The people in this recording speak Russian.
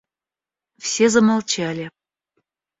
Все замолчали.